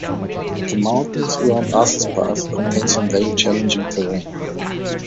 The mountains around Arthur's Pass contain some very challenging terrain.